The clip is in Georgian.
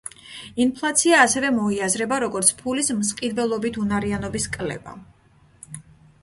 ინფლაცია ასევე მოიაზრება, როგორც ფულის მსყიდველობითუნარიანობის კლება.